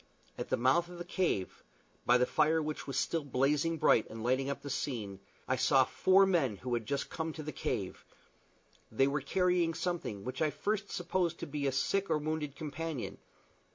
At the mouth of the cave by the fire which was still blazing bright, and lighting up the scene I saw four men who had just come to the cave: they were carrying something which I at first supposed to be a sick or wounded companion.